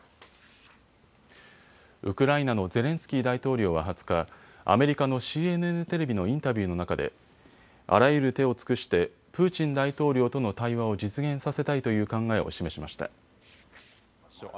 ウクライナのゼレンスキー大統領は２０日、アメリカのＣＮＮテレビのインタビューの中であらゆる手を尽くしてプーチン大統領との対話を実現させたいという考えを示しました。